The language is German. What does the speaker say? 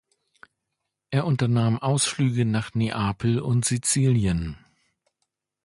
Er unternahm Ausflüge nach Neapel und Sizilien.